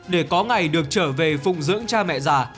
để có ngày được trở về phụng dưỡng cha mẹ già